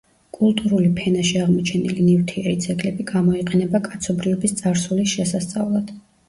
კულტურული ფენაში აღმოჩენილი ნივთიერი ძეგლები გამოიყენება კაცობრიობის წარსულის შესასწავლად.